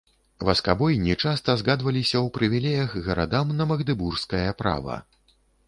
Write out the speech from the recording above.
Васкабойні часта згадваліся ў прывілеях гарадам на магдэбургскае права.